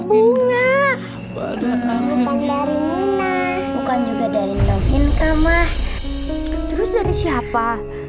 bunga pada amin bukan juga dari novin kamar terus dari siapa